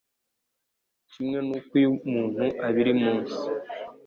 kimwe n'uko iyo umuntu abiri munsi